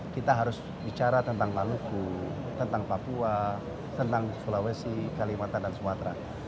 kita harus bicara tentang maluku tentang papua tentang sulawesi kalimantan dan sumatera